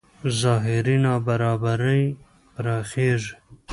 ظاهري نابرابرۍ پراخېږي.